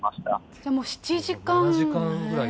じゃあもう７時間。